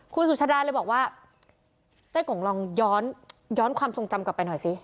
คุณสุชาดาเลยบอกว่าเต้กงลองย้อนความทรงจำกลับไปหน่อยสิ